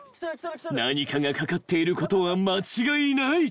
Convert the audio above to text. ［何かが掛かっていることは間違いない］